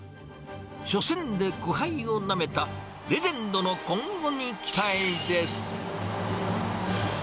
初戦で苦杯をなめたレジェンドの今後に期待です。